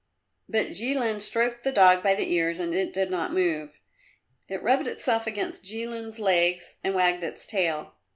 But Jilin stroked the dog by the ears and it did not move. It rubbed itself against Jilin's legs and wagged its tail.